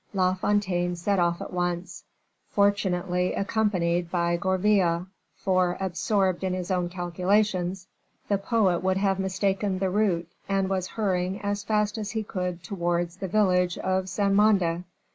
La Fontaine set off at once, fortunately accompanied by Gourville, for, absorbed in his own calculations, the poet would have mistaken the route, and was hurrying as fast as he could towards the village of Saint Mande.